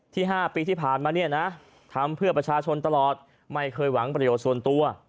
๕ปีที่ผ่านมาเนี่ยนะทำเพื่อประชาชนตลอดไม่เคยหวังประโยชน์ส่วนตัว